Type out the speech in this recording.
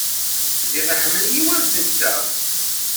Ziɣ iḥemmel-iyi ula d netta.